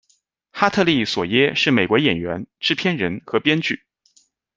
哈特利·索耶是美国演员，制片人和编剧。